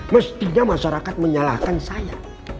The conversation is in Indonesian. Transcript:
mestinya masyarakat menyalahkan saya